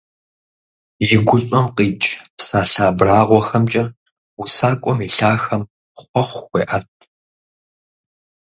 И гущӀэм къикӀ псалъэ абрагъуэхэмкӀэ усакӀуэм и лъахэм хъуэхъу хуеӀэт.